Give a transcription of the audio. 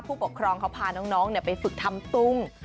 ผู้ปกครองเขาพาน้องไปฝึกทำตุ้ง